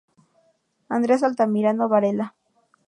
Andres Altamirano Varela.